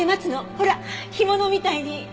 ほら干物みたいに。